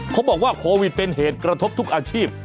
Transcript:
เขาบอกว่าโควิดเป็นเหตุกระทบทุกอาชีพ